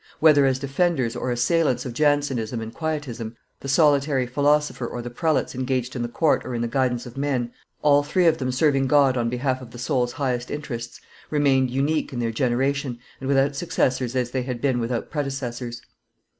Whether as defenders or assailants of Jansenism and Quietism, the solitary philosopher or the prelates engaged in the court or in the guidance of men, all three of them serving God on behalf of the soul's highest interests, remained unique in their generation, and without successors as they had been without predecessors.